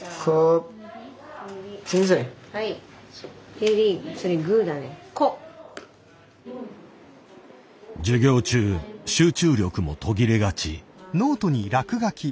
ヘリコ授業中集中力も途切れがち。